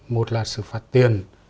một là xử phạt tiền